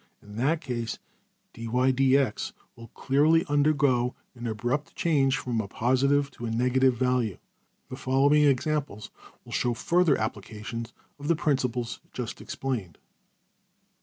In that case $\dfrac{dy}{dx}$ will clearly undergo an abrupt change from a positive to a negative value. \DPPageSep{100.png}% The following examples show further applications of the principles just explained.